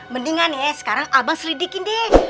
mendingan ya sekarang abang selidikin deh